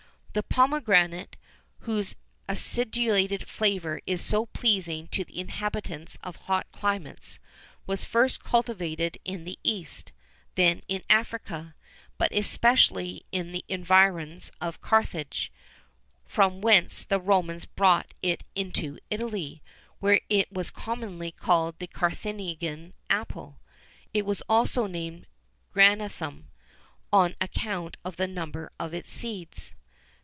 The pomegranate, whose acidulated flavour is so pleasing to the inhabitants of hot climates, was first cultivated in the east, then in Africa, but especially in the environs of Carthage, from whence the Romans brought it into Italy, where it was commonly called the Carthaginian apple;[XIV 43] it was also named Granatum, on account of the number of its seeds.